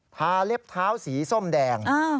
เล็บเท้าสีส้มแดง